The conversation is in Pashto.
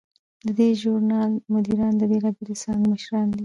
د دې ژورنال مدیران د بیلابیلو څانګو مشران دي.